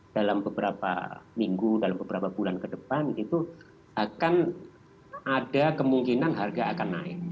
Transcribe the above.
dalam beberapa minggu dalam beberapa bulan ke depan itu akan ada kemungkinan harga akan naik